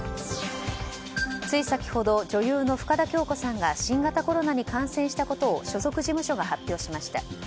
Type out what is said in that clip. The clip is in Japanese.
つい先ほど女優の深田恭子さんが新型コロナに感染したことを所属事務所が発表しました。